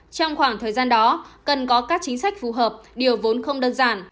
trong khoảng thời gian đó cần có các chính sách phù hợp điều vốn không đơn giản